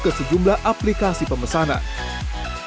ke sejumlah aplikasi pemesanan